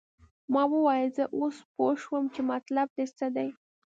ما وویل زه اوس پوه شوم چې مطلب دې څه دی.